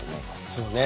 そうね。